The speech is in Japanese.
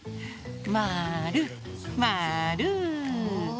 まるまる！